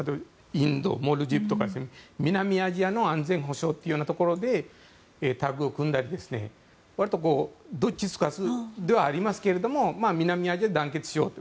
インド、モルディブとか南アジアの安全保障ということでタッグを組んだり、わりとどっちつかずではありますけど南アジアで団結しようと。